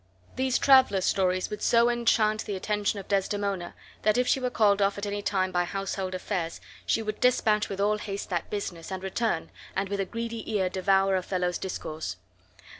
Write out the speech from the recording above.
These travelers' stories would so enchain the attention of Desdemona that if she were called off at any time by household affairs she would despatch with all haste that business, and return, and with a greedy ear devour Othello's discourse.